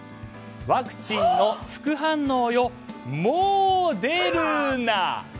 「ワクチンの副反応よもうデルナ」。